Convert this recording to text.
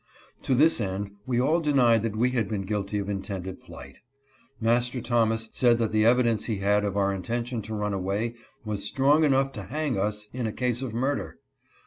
To this end we all denied that we had been guilty of intended flight. Master Thomas said that the evidence he had of our intention to run away was strong enough to hang us in a case of murder.